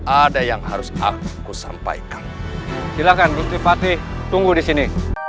ada yang harus aku sampaikan silakan bu tifati tunggu di sini